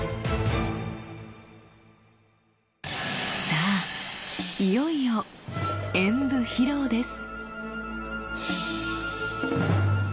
さあいよいよ演舞披露です。